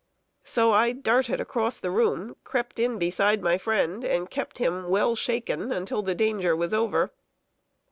So I darted across the room, crept in beside my friend, and kept him well shaken until the danger was over.